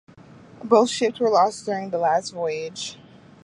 Both ships were lost during this last voyage.